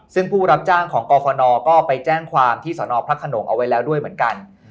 ซึ่งผู้รับจ้างของกรฟนก็ไปแจ้งความที่สนพระขนงเอาไว้แล้วด้วยเหมือนกัน